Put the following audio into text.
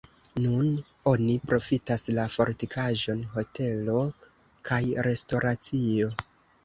Nun oni profitas la fortikaĵon hotelo kaj restoracio.